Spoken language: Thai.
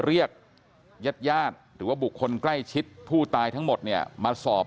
เรียกญาติญาติหรือว่าบุคคลใกล้ชิดผู้ตายทั้งหมดเนี่ยมาสอบ